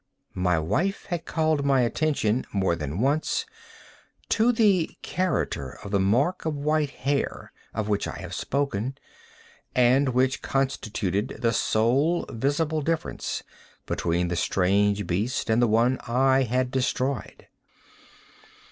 My wife had called my attention, more than once, to the character of the mark of white hair, of which I have spoken, and which constituted the sole visible difference between the strange beast and the one I had destroyed.